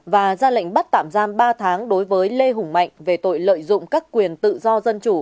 và ra lệnh bắt tạm giam ba tháng đối với lê hùng mạnh về tội lợi dụng các quyền tự do dân chủ